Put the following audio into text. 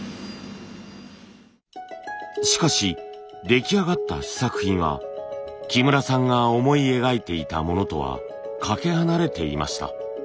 しかし出来上がった試作品は木村さんが思い描いていたものとはかけ離れていました。